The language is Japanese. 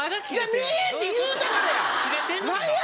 見えへんって言うたからや！